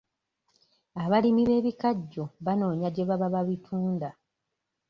Abalimi b'ebikajjo banoonya gye baba babitunda.